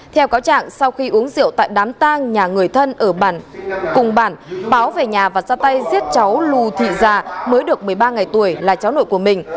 theo cáo trạng sau khi uống rượu tại đám tang nhà người thân ở cùng bản báo về nhà và ra tay giết cháu lù thị già mới được một mươi ba ngày tuổi là cháu nội của mình